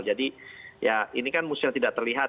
jadi ya ini kan mustinya tidak terlihat